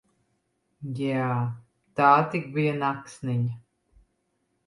Jā, tā tik bija naksniņa!